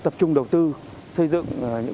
tập trung đầu tư xây dựng